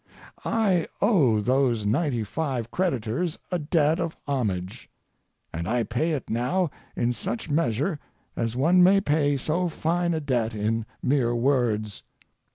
I owe those ninety five creditors a debt of homage, and I pay it now in such measure as one may pay so fine a debt in mere words.